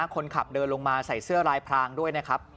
คนขับเดินลงมาใส่เสื้อลายพรางด้วยนะครับ